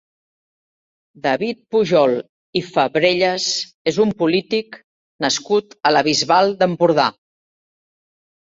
David Pujol i Fabrellas és un polític nascut a la Bisbal d'Empordà.